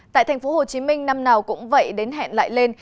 tại tp hcm năm nào cũng vậy đến hẹn lại lên